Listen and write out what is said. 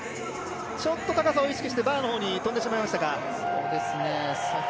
ちょっと高さを意識してバーの方に跳んでしまいましたか。